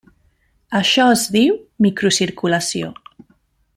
Això es diu microcirculació.